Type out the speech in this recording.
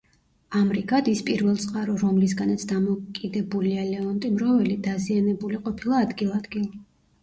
ამრიგად, ის პირველწყარო, რომლისგანაც დამოკიდებულია ლეონტი მროველი, დაზიანებული ყოფილა ადგილ-ადგილ.